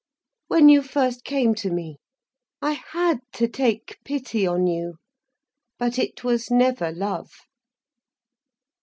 "When you first came to me. I had to take pity on you. But it was never love."